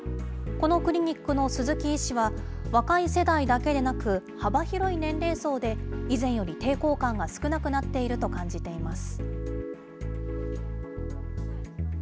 このクリニックの鈴木医師は、若い世代だけでなく、幅広い年齢層で以前より抵抗感が少なくなっていると感じています。